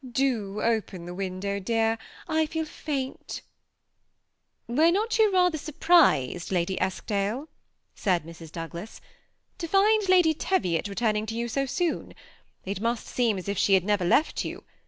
Do open the window^ dear, I feel faint" "Were not you rather surprised, Lady Eskdale," said Mrs. Douglas, " to find Lady Teviot returning to you so soon; it must seem as if she had never left you?